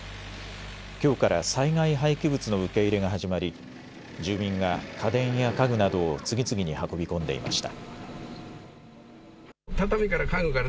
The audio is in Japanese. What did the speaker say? きょうから災害廃棄物の受け入れが始まり住民が家電や家具などを次々に運び込んでいました。